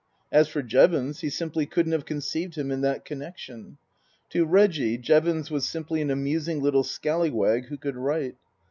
As for Jevons, he simply couldn't have conceived him in that connection. To Reggie Jevons was simply an amusing little scallywag who could write.